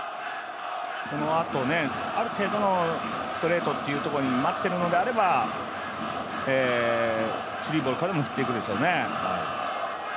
このあと、ある程度のストレートというところに待っているのであればスリーボールからでも振ってくるでしょうね。